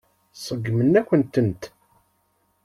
Seggmen-akent-tent.